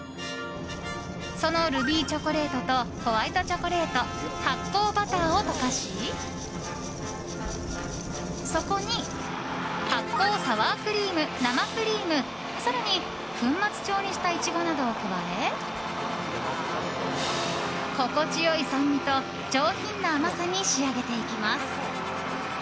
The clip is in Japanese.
そのルビーチョコレートとホワイトチョコレート発酵バターを溶かしそこに発酵サワークリーム生クリーム更に粉末状にしたイチゴなどを加え心地良い酸味と上品な甘さに仕上げていきます。